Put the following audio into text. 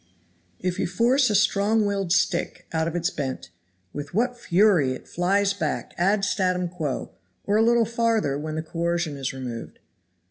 If you force a strong willed stick out of its bent, with what fury it flies back ad statum quo or a little farther when the coercion is removed.